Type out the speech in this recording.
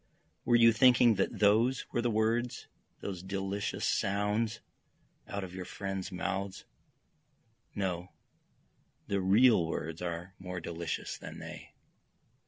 Were you thinking that those were the words, those delicious sounds out of your friends' mouths? No, the real words are more delicious than they.